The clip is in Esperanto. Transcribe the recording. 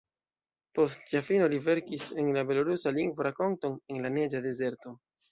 Post ĝia fino li verkis en la belorusa lingvo rakonton ""En la neĝa dezerto"".